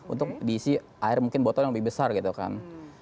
untuk diisi air mungkin botol yang lebih besar gitu kan